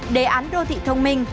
đề án đô thị thông minh